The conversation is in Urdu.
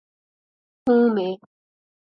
ہوں میں